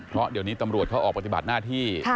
เพราะเดี๋ยวนี้ตำรวจเขาออกปฏิบัติหน้าที่